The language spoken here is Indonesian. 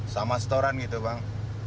sama setoran gitu bang